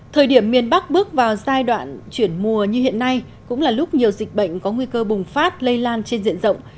thời điểm miền bắc bước vào giai đoạn chuyển mùa như hiện nay cũng là lúc nhiều dịch bệnh có nguy cơ bùng phát lây lan trên diện rộng